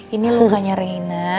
ini bukanya rina